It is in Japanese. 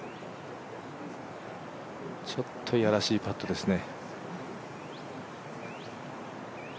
ちょっとやらしいパットですね。